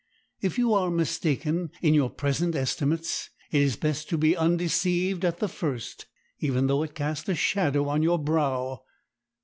If you are mistaken in your present estimates it is best to be undeceived at the first, even though it cast a shadow on your brow.